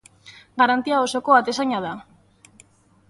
Garantia osoko atezaina da.